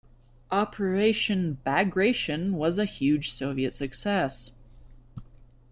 Operation Bagration was a huge Soviet success.